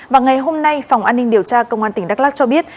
và ngày hôm nay phòng an ninh điều tra công an tỉnh đắk lắc cho biết